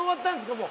もう。